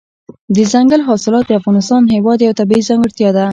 دځنګل حاصلات د افغانستان هېواد یوه طبیعي ځانګړتیا ده.